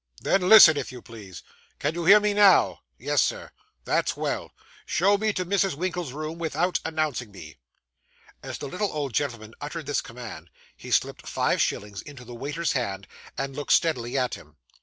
'Then listen, if you please. Can you hear me now?' 'Yes, Sir.' 'That's well. Show me to Mrs. Winkle's room, without announcing me.' As the little old gentleman uttered this command, he slipped five shillings into the waiter's hand, and looked steadily at him.